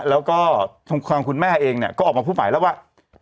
แล้วก็ทางคุณแม่เองเนี่ยก็ออกมาพูดใหม่แล้วว่า